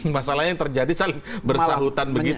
masalahnya yang terjadi bersahutan begitu